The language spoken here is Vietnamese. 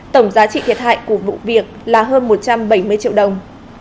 tổng giá trị thiệt hại của vụ việc là hơn một trăm bảy mươi triệu đồng